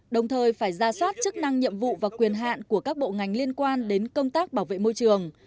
đồng thời phải ra soát chức năng nhiệm vụ và quyền hạn của các bộ ngành liên quan đến công tác bảo vệ môi trường